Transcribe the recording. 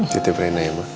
seterusnya ya ma